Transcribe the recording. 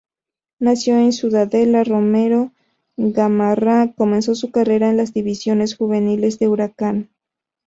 Nacido en Ciudadela, Romero Gamarra comenzó su carrera en las divisiones juveniles de Huracán.